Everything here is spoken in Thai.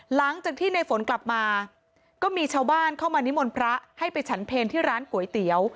หลังจากที่ในฝนกลับมาก็มีชาวบ้านเข้ามานิมนต์พระให้ไปฉันเพลที่ร้านก๋วยเตี๋ยว